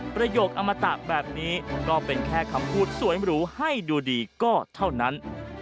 ประโยคอมตะแบบนี้ก็เป็นแค่คำพูดสวยหรูให้ดูดีก็เท่านั้น